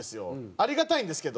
ありがたいんですけど。